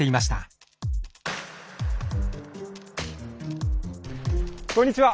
あこんにちは。